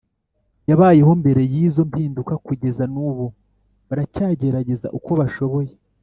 yabayeho mbere y izo mpinduka kugeza nubu baracyagerageza uko bashoboye